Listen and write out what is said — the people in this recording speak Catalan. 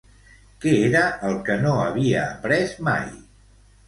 Què era el que no havia après mai?